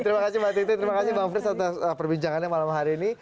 terima kasih mbak titi terima kasih bang frits atas perbincangannya malam hari ini